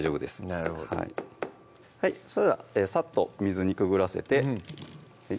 なるほどそれではさっと水にくぐらせて